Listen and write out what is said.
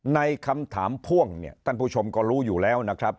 ในคำถามพ่วงเนี่ยท่านผู้ชมก็รู้อยู่แล้วนะครับ